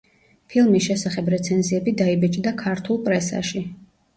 ფილმის შესახებ რეცენზიები დაიბეჭდა ქართულ პრესაში.